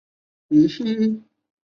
他还是不时去摸摸小孩